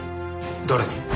誰に？